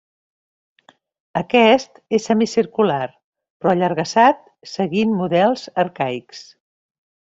Aquest és semicircular, però allargassat, seguint models arcaics.